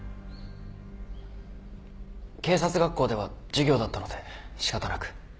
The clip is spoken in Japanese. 警察学校では授業だったので仕方なく。